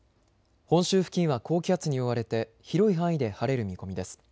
本州付近は高気圧に覆われて広い範囲で晴れる見込みです。